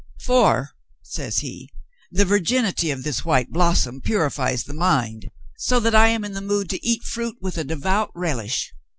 "For," says he, "the virginity of this white blossom purifies the mind so that I am in the mood to eat fruit with a devout relish.